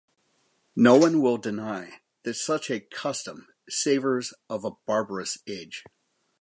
No one will deny that such a custom savors of a barbarous age.